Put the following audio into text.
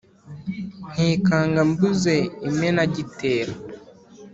Nkikanga mbuze Imenagitero